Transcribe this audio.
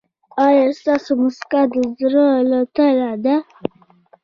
ایا ستاسو مسکا د زړه له تله ده؟